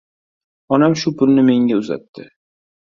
Onam shu pulni menga uzatdi.